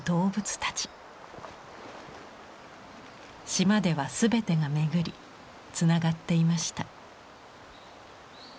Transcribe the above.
島では全てが巡りつながっていました。